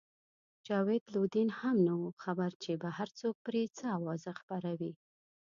جاوید لودین هم نه وو خبر چې بهر څوک پرې څه اوازې خپروي.